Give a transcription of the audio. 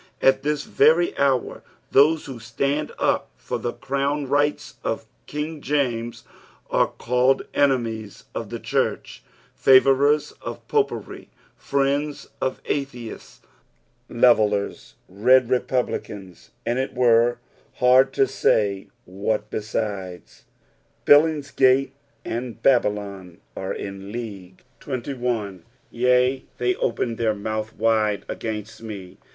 At this very hour, those who stand up for the crown rights of King .Tesus are called enemies of the church, favourers uC Popery, friends of Atheists, levellers, red republicans, and it were hard to say what besides. Billingsgate and Babylon are in league. 31. '^ Yea, they opened their mouth wide againtt me."